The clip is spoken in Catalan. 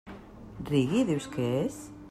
Reggae, dius que és?